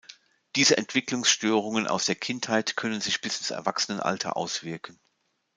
Diese Entwicklungsstörungen aus der Kindheit können sich bis ins Erwachsenenalter auswirken.